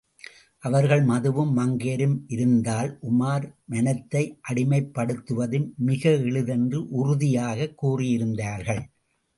அவர்கள், மதுவும் மங்கையரும் இருந்தால், உமார் மனத்தை அடிமைப் படுத்துவது மிக எளிதென்று உறுதியாகக் கூறியிருந்தார்கள்.